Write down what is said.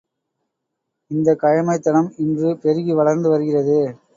இந்தக் கயமைத் தனம் இன்று பெருகி வளர்ந்து வருகிறது!